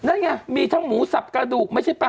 นั่นไงมีทั้งหมูสับกระดูกไม่ใช่ป่ะ